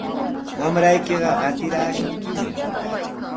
Wamraykiqa qatiraashunkimi.